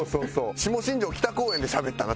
下新庄北公園でしゃべったな